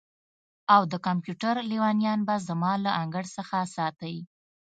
او د کمپیوټر لیونیان به زما له انګړ څخه ساتئ